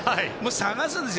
探すんですよ。